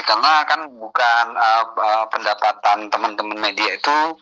karena kan bukan pendapatan teman teman media itu